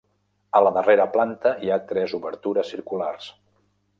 A la darrera planta hi ha tres obertures circulars.